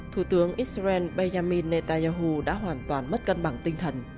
thủ tướng israel benjamin netanyahu đã hoàn toàn mất cân bằng tinh thần